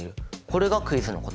これがクイズの答え？